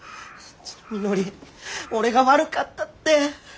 みのり俺が悪かったって。